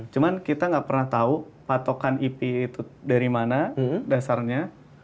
cuma kita nggak pernah tahu patokan ip itu dari mana dasarnya